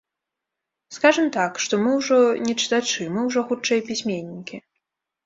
Скажам так, што мы ўжо не чытачы, мы ўжо, хутчэй, пісьменнікі.